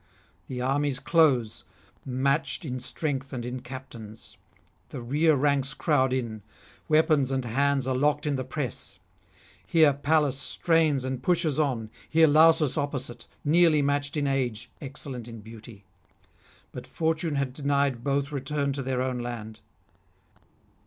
The armies close, matched in strength and in captains; the rear ranks crowd in; weapons and hands are locked in the press. Here Pallas strains and pushes on, here Lausus opposite, nearly matched in age, excellent in beauty; but fortune [436 467]had denied both return to their own land.